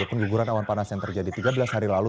pengguguran awan panas yang terjadi tiga belas hari lalu